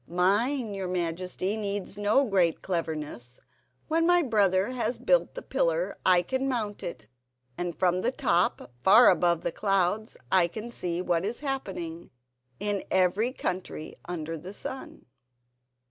"Mine, your Majesty, needs no great cleverness. When my brother has built the pillar I can mount it, and from the top, far above the clouds, I can see what is happening: in every country under the sun."